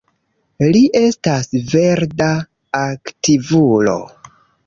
Li estas verda aktivulo.